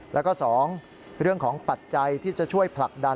แล้วก็๒เรื่องของปัจจัยที่จะช่วยผลักดัน